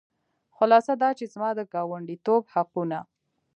خلاصه دا چې زما د ګاونډیتوب حقونه.